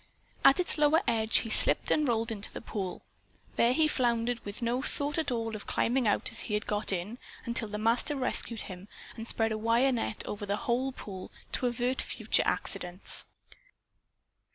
At its lower edge he slipped and rolled into the pool. There he floundered, with no thought at all of climbing out as he had got in, until the Master rescued him and spread a wire net over the whole pool to avert future accidents.